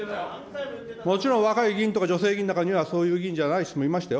もちろん、若い議員とか女性議員の中には、そういう議員じゃない人もいましたよ。